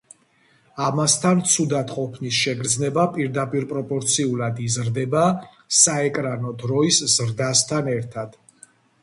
ამასთან, ცუდად ყოფნის შეგრძნება პირდაპირპროპორციულად იზრდება საეკრანო დროის ზრდასთან ერთად.